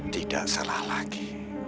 tidak salah lagi